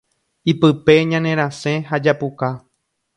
Ipype ñanerasẽ ha japuka.